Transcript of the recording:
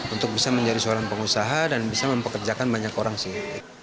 untuk bisa menjadi seorang pengusaha dan bisa mempekerjakan banyak orang sih